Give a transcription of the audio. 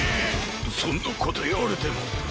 そんなこといわれても。